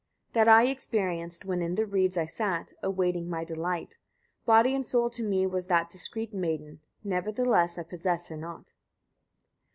96. That I experienced, when in the reeds I sat, awaiting my delight. Body and soul to me was that discreet maiden: nevertheless I possess her not.